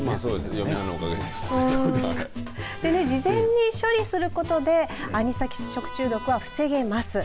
事前に処理することでアニサキス食中毒は防げます。